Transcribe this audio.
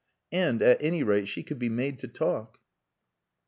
And, at any rate, she could be made to talk.